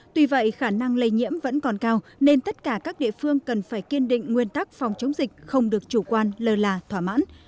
tuy vậy khả năng lây nhiễm vẫn còn cao nên tất cả các địa phương cần phải kiên định nguyên tắc phòng chống dịch không được chủ quan lơ là thỏa mãn